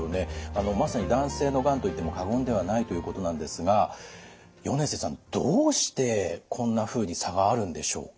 まさに男性のがんと言っても過言ではないということなんですが米瀬さんどうしてこんなふうに差があるんでしょうか。